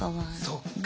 そっか。